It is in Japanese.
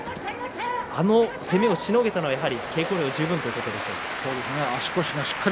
あの攻めをしのげたのは稽古量十分ということでしょうか。